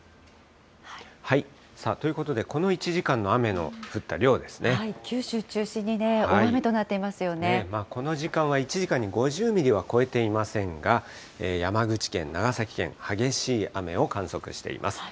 ということで、九州中心にね、大雨となってこの時間は１時間に５０ミリは超えていませんが、山口県、長崎県、激しい雨を観測しています。